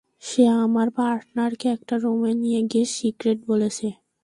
সে আমার পার্টনারকে একটা রুমে নিয়ে গিয়ে সিক্রেট বলেছে।